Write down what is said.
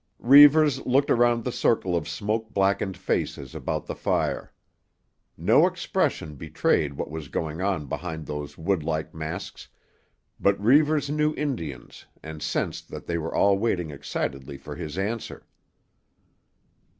Reivers looked around the circle of smoke blackened faces about the fire. No expression betrayed what was going on behind those wood like masks, but Reivers knew Indians and sensed that they were all waiting excitedly for his answer.